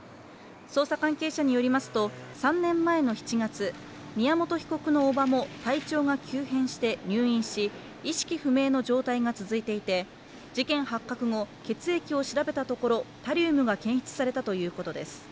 捜査関係者によりますと３年前の７月、宮本被告のおばも体調が急変して入院し、意識不明の状態が続いていて事件発覚後、血液を調べたところ、タリウムが検出されたということです。